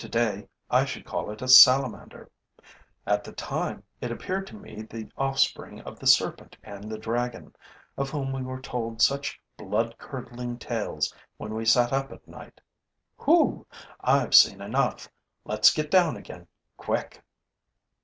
Today, I should call it a salamander; at that time, it appeared to me the offspring of the serpent and the dragon, of whom we were told such bloodcurdling tales when we sat up at night. Hoo! I've seen enough: let's get down again, quick!